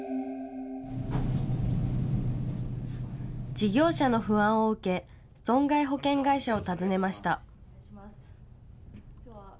事業者の不安を受け損害保険会社を訪ねました。